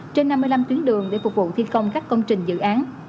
trên năm mươi năm tuyến đường để phục vụ thi công các công trình dự án